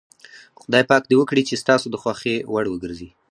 خدای پاک دې وکړي چې ستاسو د خوښې وړ وګرځي.